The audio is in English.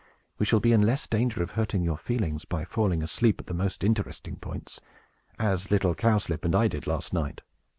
We shall be in less danger of hurting your feelings, by falling asleep at the most interesting points, as little Cowslip and I did last night!"